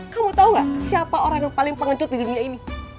kamu tau gak siapa orang yang paling pengecut di dunia ini